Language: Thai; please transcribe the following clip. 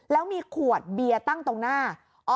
แล้วมีขวดเบียร์ตั้งตรงหน้า